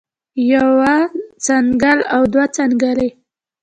يوه څنګل او دوه څنګلې